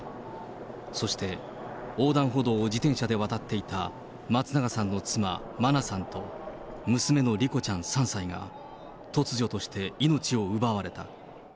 そして、横断歩道を自転車で渡っていた松永さんの妻、真菜さんと娘の莉子ちゃん３歳が、突如として命を奪われた。